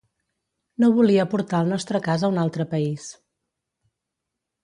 No volia portar el nostre cas a un altre país.